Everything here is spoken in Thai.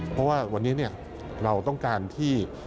เพราะว่าวันนี้เราต้องการที่